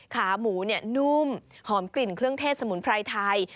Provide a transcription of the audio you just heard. ขาหมูนุ่มหอมกลิ่นเครื่องเทศสมุนไพรไทย